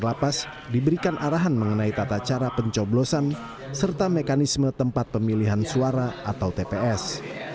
lapas diberikan arahan mengenai tata cara pencoblosan serta mekanisme tempat pemilihan suara atau tps